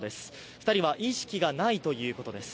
２人は意識がないということです。